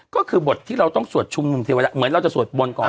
ก็คือบทที่เราต้องสวดชุมนุมเทวดาเหมือนเราจะสวดบนก่อน